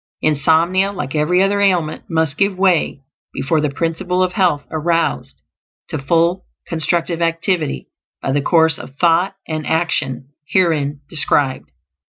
Insomnia, like every other ailment, must give way before the Principle of Health aroused to full constructive activity by the course of thought and action herein described.